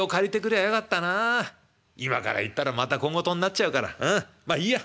今から行ったらまた小言になっちゃうからまあいいや。